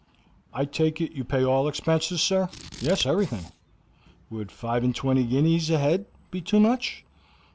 "I take it you pay all expenses, sir?" "Yes, everything." "Would five and twenty guineas a head be too much?"